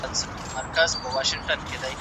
په راتلونکي کي دا تېروتنې باید تکرار نه سي.